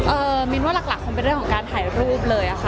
มินว่าหลักคงเป็นเรื่องของการถ่ายรูปเลยค่ะ